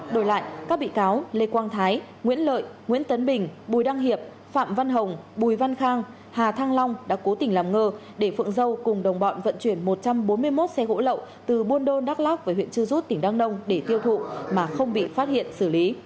đổi lại các bị cáo lê quang thái nguyễn lợi nguyễn tấn bình bùi đăng hiệp phạm văn hồng bùi văn khang hà thăng long đã cố tình làm ngơ để phượng dâu cùng đồng bọn vận chuyển một trăm bốn mươi một xe gỗ lậu từ buôn đôn đắk lắc về huyện trư rút tỉnh đăng nông để tiêu thụ mà không bị phát hiện xử lý